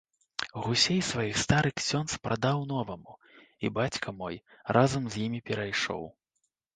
Гусей сваіх стары ксёндз прадаў новаму, і бацька мой разам з імі перайшоў.